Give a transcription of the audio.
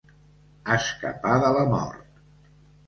Escapar de la mort.